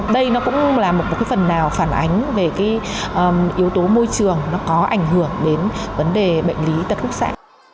đây cũng là một phần nào phản ánh về yếu tố môi trường có ảnh hưởng đến vấn đề bệnh lý tật khúc xạ